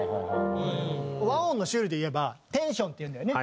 和音の種類でいえばテンションっていうんだよね。